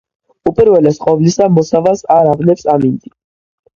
უპირველეს ყოვლისა, მოსავალს არ ავნებს ამინდი.